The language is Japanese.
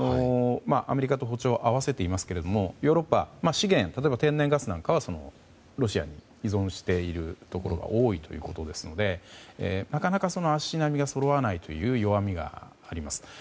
アメリカと歩調を合わせていますけどヨーロッパは資源、例えば天然ガスなんかはロシアに依存しているところが多いということですのでなかなか足並みがそろわないという弱みがあります。